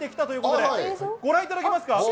ということで、ご覧いただきますか。